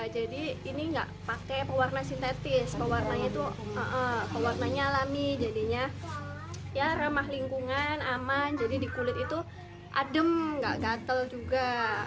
jadi ini enggak pakai pewarna sintetis pewarna nya alami jadinya ramah lingkungan aman jadi di kulit itu adem enggak gatel juga